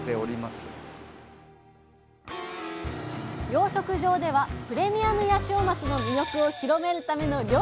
養殖場ではプレミアムヤシオマスの魅力を広めるための料理も開発！